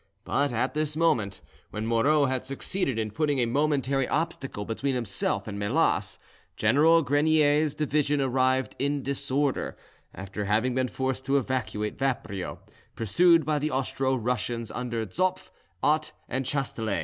But at this moment, when Moreau had succeeded in putting a momentary obstacle between himself and Melas, General Grenier's division arrived in disorder, after having been forced to evacuate Vaprio, pursued by the Austro Russians under Zopf, Ott, and Chasteler.